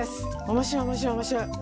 面白い面白い面白い。